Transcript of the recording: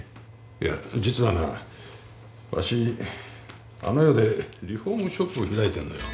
いや実はなわしあの世でリフォームショップを開いてんのよ